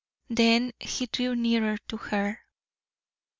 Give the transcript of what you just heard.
Then he drew nearer to her.